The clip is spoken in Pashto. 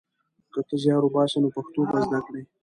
که ته زیار وباسې نو پښتو به زده کړې.